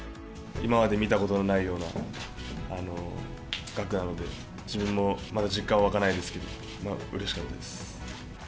今まで見たことのないような額なので、自分もまだ実感湧かないですけど、うれしかったです。